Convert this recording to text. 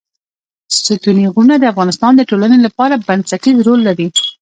ستوني غرونه د افغانستان د ټولنې لپاره بنسټيز رول لري.